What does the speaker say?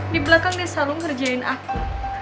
di belakang dia selalu ngerjain aku